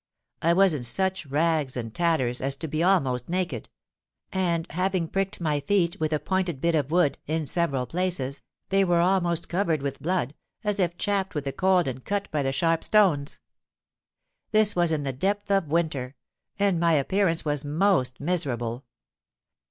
I was in such rags and tatters as to be almost naked; and having pricked my feet, with a pointed bit of wood, in several places, they were almost covered with blood, as if chapped with the cold and cut by the sharp stones. This was in the depth of winter; and my appearance was most miserable.